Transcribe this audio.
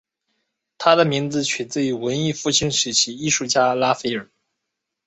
他的名字取自于文艺复兴时期艺术家拉斐尔。